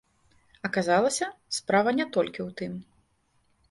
Аказалася, справа не толькі ў тым.